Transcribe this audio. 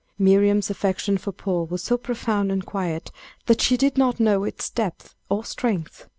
Miriam's affection for Paul was so profound and quiet, that she did not know its depth or strength.